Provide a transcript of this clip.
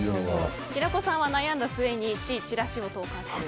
平子さんは悩んだ末にＣ、チラシを投函する。